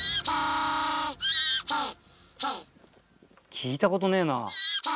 聞いたことねえなぁ。